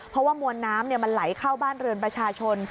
เพราะว่ามวลน้ำมันไหลเข้าบ้านเรือนประชาชน